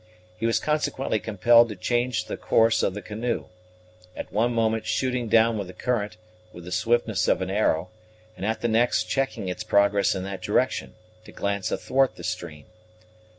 He was consequently compelled to change the course of the canoe, at one moment shooting down with the current, with the swiftness of an arrow; and at the next checking its progress in that direction, to glance athwart the stream.